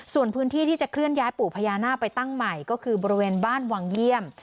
ส่วนพื้นที่ที่จะเคลื่อนย้ายปู่พญานาคไปตั้งใหม่ก็คือบริเวณบ้านวังเยี่ยม